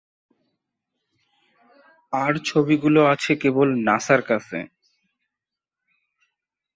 আর ছবিগুলো আছে কেবল নাসার কাছে।